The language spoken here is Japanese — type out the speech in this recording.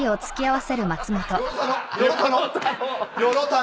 よろたの！